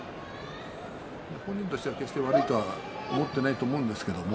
本人としては決して悪いと思っていないと思います。